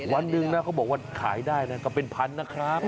วันหนึ่งนะเขาบอกว่าขายได้นะก็เป็นพันนะครับ